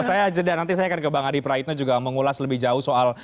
saya jeda nanti saya akan ke bang adi praitno juga mengulas lebih jauh soal